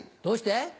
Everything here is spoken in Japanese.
どうして？